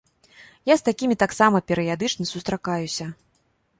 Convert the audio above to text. Я з такімі таксама перыядычна сустракаюся.